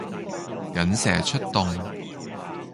引蛇出洞